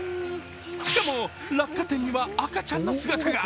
しかも落下点には赤ちゃんの姿が。